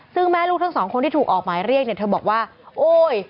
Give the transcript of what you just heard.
ซึ่งแม่ลูกทั้งสองคนที่ถูกออกหมายเรียกเนี่ยเธอบอกว่าโอ๊ย